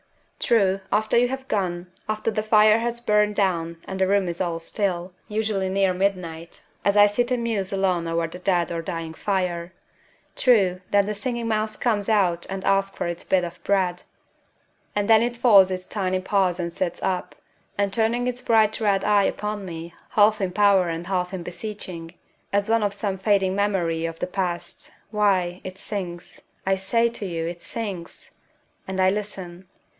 True, after you have gone, after the fire has burned down and the room is all still usually near midnight, as I sit and muse alone over the dead or dying fire true, then the Singing Mouse comes out and asks for its bit of bread; and then it folds its tiny paws and sits up, and turning its bright red eye upon me, half in power and half in beseeching, as of some fading memory of the past why, it sings, I say to you; it sings! And I listen....